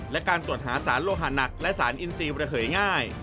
และการตรวจหาสารโลหะหนักและสารอินซีระเหยง่าย